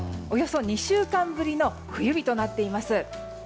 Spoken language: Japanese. およそ２週間ぶりの冬日となっています。